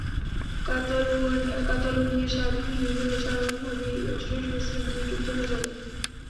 কাতালুনিয়া স্বাধীন হয়ে গেলে স্বাভাবিকভাবেই রাষ্ট্র হিসেবে স্পেন দুই টুকরো হয়ে যাবে।